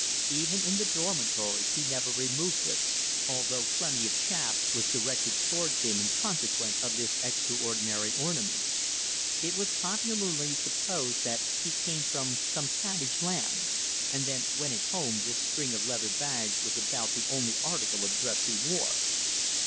Even in the dormitory he never removed this, although plenty of chaff was directed towards him in consequence of this extraordinary ornament. It was popularly supposed that he came from some savage land, and that when at home this string of leather bags was about the only article of dress he wore.